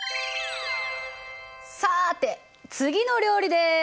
さて次の料理です！